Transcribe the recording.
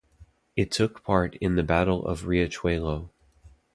It took part in the Battle of Riachuelo.